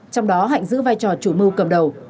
trong đó hạnh giữ vai trò chủ mưu cầm đầu